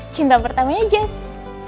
cinta pertamanya jess